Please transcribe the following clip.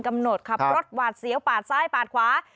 กำหนดขับรถหวาดเสียวปาดซ้ายปาดขวา